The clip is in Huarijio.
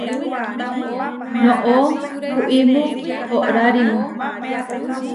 Noʼó kuimó oʼrárimu.